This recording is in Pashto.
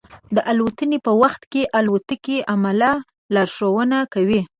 د الوتنې په وخت کې د الوتکې عمله لارښوونه کوي.